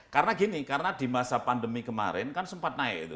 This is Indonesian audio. karena gini karena di masa pandemi kemarin kan sempat naik itu